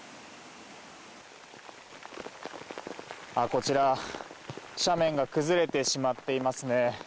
こちら、斜面が崩れてしまっていますね。